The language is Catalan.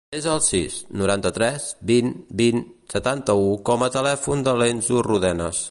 Desa el sis, noranta-tres, vint, vint, setanta-u com a telèfon de l'Enzo Rodenas.